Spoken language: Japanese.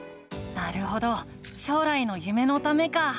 なるほど将来の夢のためか。